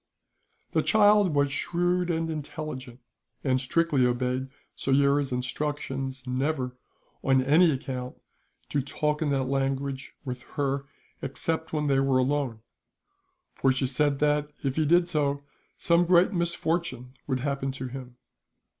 The child was shrewd and intelligent, and strictly obeyed Soyera's instructions never, on any account, to talk in that language with her except when they were alone; for she said that, if he did so, some great misfortune would happen to him.